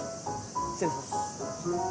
失礼します。